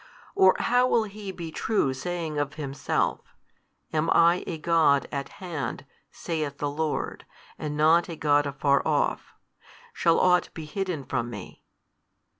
or how will He be true saying of Himself, Am I a God at hand, saith the Lord, and not a God afar off? Shall ought be hidden from Me?